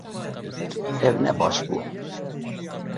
Ew ne baş bû